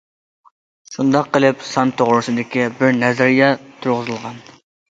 شۇنداق قىلىپ، سان توغرىسىدىكى بىر نەزەرىيە تۇرغۇزۇلغان.